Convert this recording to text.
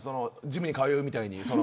ジムに通うみたいに。